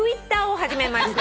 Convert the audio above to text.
「Ｔｗｉｔｔｅｒを始めました」